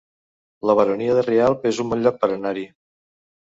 La Baronia de Rialb es un bon lloc per anar-hi